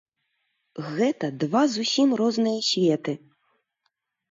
Гэта два зусім розныя светы.